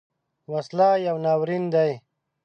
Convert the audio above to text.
وسله یو ناورین دی